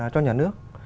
cho nhà nước